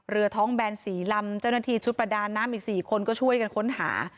เรือท้องแบน๔ลำเจ้าหน้าที่ชุดประดานน้ำอีก๔คนก็ช่วยกันค้นหา